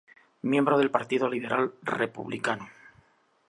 Miembro del Partido Liberal Republicano.